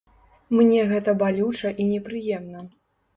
Мне гэта балюча і непрыемна.